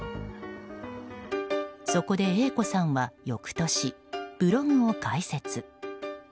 そこで、Ａ子さんは翌年ブログを開設。